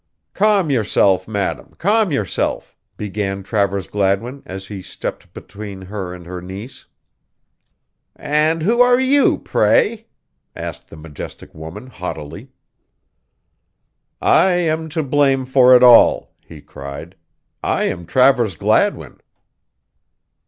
"Calm yourself, madam; calm yourself," began Travers Gladwin, as he stepped between her and her niece. "And who are you, pray?" asked the majestic woman, haughtily. "I am to blame for it all," he cried. "I am Travers Gladwin."